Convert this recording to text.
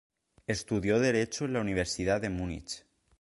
Estudió Derecho en la Universidad de Munich.